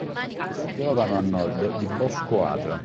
Si trovano a nord di Bosco Atro.